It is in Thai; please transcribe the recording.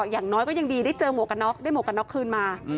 อย่างน้อยก็ยังดีได้เจอหมวกกันน็อกได้หมวกกันน็อกคืนมา